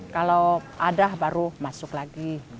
kalau ada baru masuk lagi